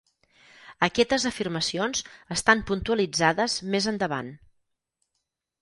Aquestes afirmacions estan puntualitzades més endavant.